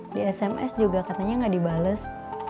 di sms juga katanya nggak dibales